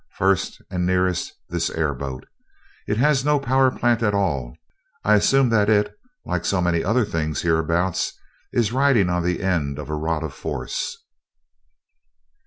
First, and nearest, this airboat. It has no power plant at all. I assume that it, like so many other things hereabouts, is riding on the end of a rod of force?"